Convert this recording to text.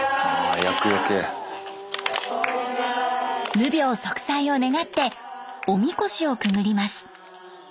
無病息災を願っておみこしをくぐります。